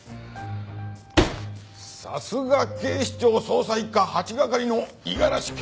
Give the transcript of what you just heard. さすが警視庁捜査一課８係の五十嵐刑事！